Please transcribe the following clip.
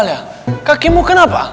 aaliyah kakimu kenapa